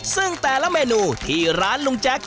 ซึ่งแต่ละเมนูที่ร้านลุงแจ๊ค